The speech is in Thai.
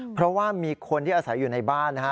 เพราะว่ามีคนที่อาศัยอยู่ในบ้านนะฮะ